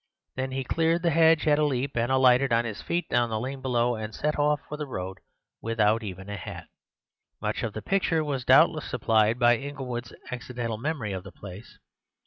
Then he cleared the hedge at a leap and alighted on his feet down in the lane below, and set off up the road without even a hat. Much of the picture was doubtless supplied by Inglewood's accidental memory of the place.